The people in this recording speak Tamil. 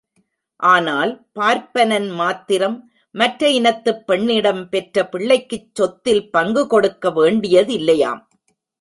ஆனால் பார்ப்பனன் மாத்திரம், மற்ற இனத்துப் பெண்ணிடம் பெற்ற பிள்ளைக்குச் சொத்தில் பங்கு கொடுக்க வேண்டியதில்லையாம்.